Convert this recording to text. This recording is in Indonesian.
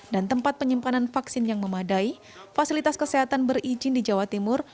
dan tempat penyimpanan vaksin yang memadai fasilitas kesehatan berizin di jawa timur